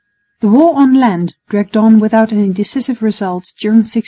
The war on land dragged on without any decisive results during 1675.